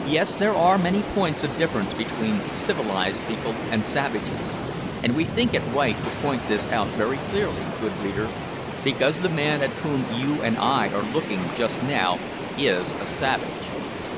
Yes, there are many points of difference between civilised people and savages, and we think it right to point this out very clearly, good reader, because the man at whom you and I are looking just now is a savage.